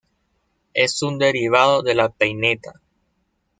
Es un derivado de la peineta.